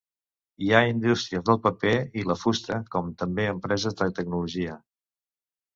Hi ha indústries del paper i la fusta com també empreses de tecnologia.